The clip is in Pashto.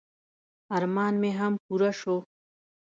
ارمان مې هم پوره شو.